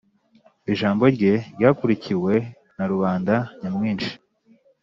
Ijambo rye ryakurikiwe na rubanda nyamwinshi